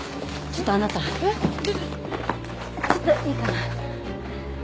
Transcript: ちょっといいかな？